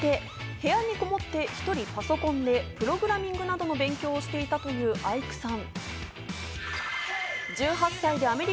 部屋にこもって１人パソコンでプログラミングなどの勉強をしていたというアイクさん。